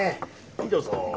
どうぞ。